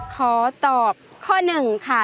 ขอตอบข้อหนึ่งค่ะ